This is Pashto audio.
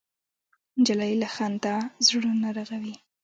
نجلۍ له خندا زړونه رغوي.